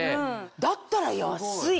だったら安い。